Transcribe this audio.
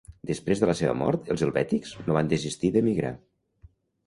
Després de la seva mort, els helvètics no van desistir de migrar.